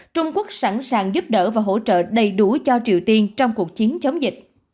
trung quốc sẵn sàng giúp đỡ và hỗ trợ đầy đủ cho triều tiên trong cuộc chiến chống dịch